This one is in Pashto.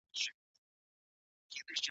د واک پر مهال يې خپل شخصي ژوند ساده وساته.